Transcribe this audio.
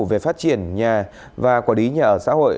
về phát triển nhà và quản lý nhà ở xã hội